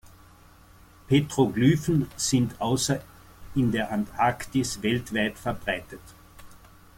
Petroglyphen sind außer in der Antarktis weltweit verbreitet.